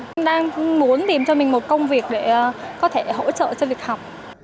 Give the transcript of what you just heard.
em đang muốn tìm cho mình một công việc để có thể hỗ trợ cho việc học